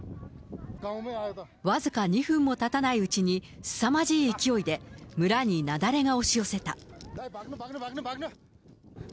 僅か２分もたたないうちにすさまじい勢いで、村に雪崩が押し寄せた。